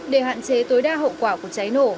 để hạn chế tối đa hậu quả của cháy nổ